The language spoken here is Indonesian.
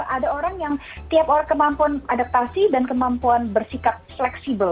ada orang yang tiap orang kemampuan adaptasi dan kemampuan bersikap fleksibel